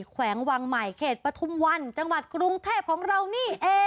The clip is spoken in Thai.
แขวงวังใหม่เขตปฐุมวันจังหวัดกรุงเทพของเรานี่เอง